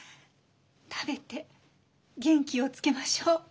食べて元気をつけましょう。